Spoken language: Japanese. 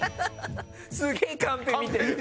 すげえカンペ見てる。